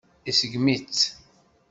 Iseggem-itt.